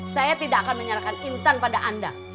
saya tidak akan menyerahkan intan pada anda